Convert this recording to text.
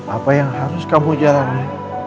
apa yang harus kamu jalani